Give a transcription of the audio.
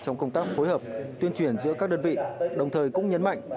trong công tác phối hợp tuyên truyền giữa các đơn vị đồng thời cũng nhấn mạnh